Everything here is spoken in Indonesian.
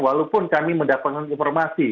walaupun kami mendapatkan informasi